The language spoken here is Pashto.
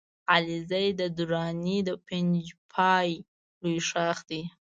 علیزی د دراني د پنجپای لوی ښاخ دی